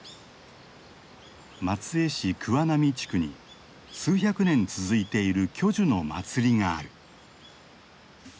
松江市桑並地区に数百年続いている巨樹の祭りがある。